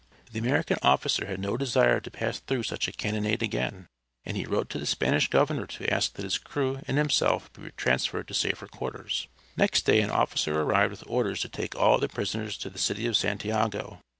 The American officer had no desire to pass through such a cannonade again, and he wrote to the Spanish governor to ask that his crew and himself be transferred to safer quarters. Next day an officer arrived with orders to take all the prisoners to the city of Santiago.